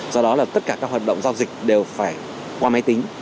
do đó là tất cả các hoạt động giao dịch đều phải qua máy tính